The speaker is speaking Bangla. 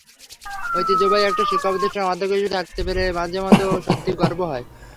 ঐতিহ্যবাহী একটা শিক্ষাপ্রতিষ্ঠানের অধ্যক্ষ হিসেবে থাকতে পেরে মাঝেমধ্যে সত্যিই গর্ব হয়।